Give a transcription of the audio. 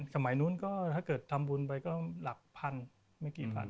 สมัยโน้นถ้าเกิดทำบุญไปก็ลักพันกี่หมื่น